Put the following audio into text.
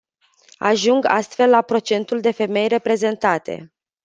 Ajung astfel la procentul de femei reprezentate.